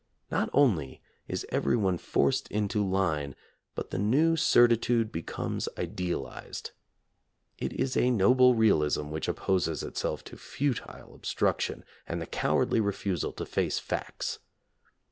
Not only is every one forced into line, but the new certitude becomes idealized. It is a noble realism which opposes itself to futile obstruction and the cowardly refusal to face facts.